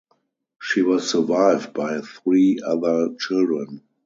She was survived by three other children.